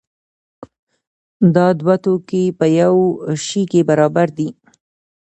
دا دوه توکي په یو شي کې برابر دي.